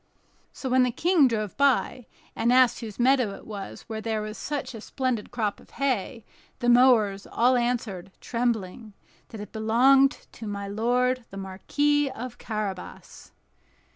So when the King drove by, and asked whose meadow it was where there was such a splendid crop of hay, the mowers all answered, trembling, that it belonged to my lord the Marquis of Carabas.